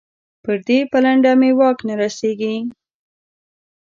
پر دې پلنډه مې واک نه رسېږي.